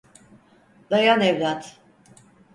Dayan evlat.